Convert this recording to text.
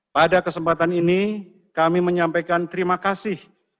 pada kesempatan ini kami menyampaikan terima kasih